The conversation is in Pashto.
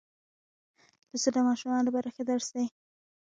پسه د ماشومانو لپاره ښه درس دی.